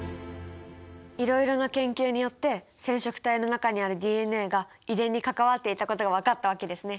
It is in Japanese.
いろいろな研究によって染色体の中にあるＤＮＡが遺伝に関わっていたことが分かったわけですね。